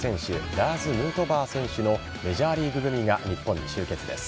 ラーズ・ヌートバー選手のメジャーリーグ組が日本に集結です。